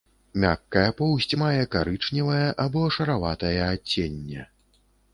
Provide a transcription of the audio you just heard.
Мяккая поўсць мае карычневае або шараватае адценне.